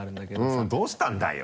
うんどうしたんだよ？